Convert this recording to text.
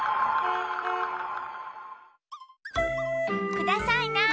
くださいな。